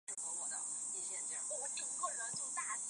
先在游客中心休息